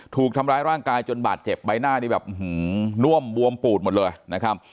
ถูกทำร้ายร่างกายจนบาดเจ็บใบหน้านี่แบบน่วมบวมปูดหมดเลยนะครับ